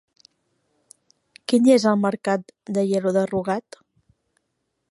Quin dia és el mercat d'Aielo de Rugat?